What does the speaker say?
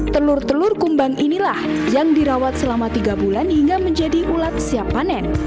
telur telur kumbang inilah yang dirawat selama tiga bulan hingga menjadi ulat siap panen